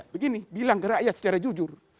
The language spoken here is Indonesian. begini bilang ke rakyat secara jujur